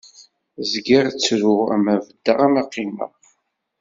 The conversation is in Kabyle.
Zgiɣ ttruɣ, ama beddeɣ naɣ qimmeɣ.